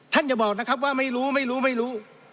ท่านอย่าบอกนะครับว่าไม่รู้